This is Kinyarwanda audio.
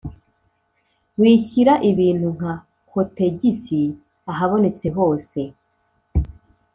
Wishyira ibintu nka kotegisi ahabonetse hose